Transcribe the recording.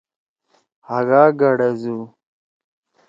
ہاگا گڑزُو